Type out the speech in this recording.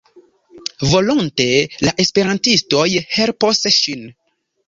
Volonte la esperantistoj helpos ŝin.